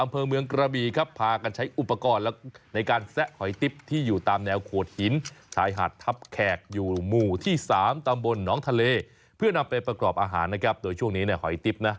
เพื่อนำไปประกรอบอาหารนะครับโดยช่วงนี้เนี่ยหอยติ๊บนะ